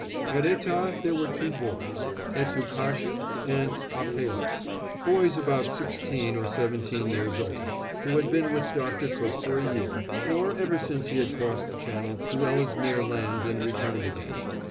At Etah there were two boys, Etookahshoo and Ahpellah, boys about sixteen or seventeen years old, who had been with Dr. Cook for a year, or ever since he had crossed the channel to Ellesmere Land and returned again.